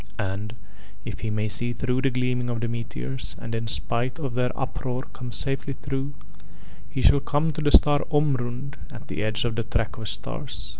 And, if he may see though the gleaming of the meteors and in spite of their uproar come safely through, he shall come to the star Omrund at the edge of the Track of Stars.